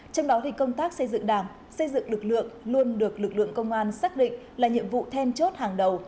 trong đó công tác xây dựng đảng xây dựng lực lượng luôn được lực lượng công an xác định là nhiệm vụ then chốt hàng đầu